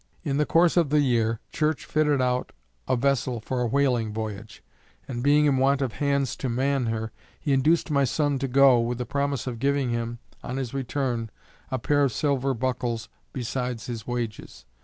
In the course of the year, Church fitted out a vessel for a whaling voyage, and being in want of hands to man her, he induced my son to go, with the promise of giving him, on his return, a pair of silver buckles, besides his wages.